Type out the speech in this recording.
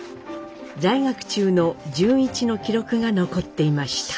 在学中の潤一の記録が残っていました。